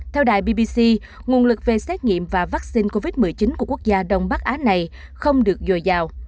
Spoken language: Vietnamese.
theo đài bbc nguồn lực về xét nghiệm và vaccine covid một mươi chín của quốc gia đông bắc á này không được dồi dào